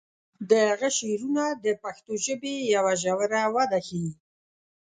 د هغه شعرونه د پښتو ژبې یوه ژوره وده ښیي.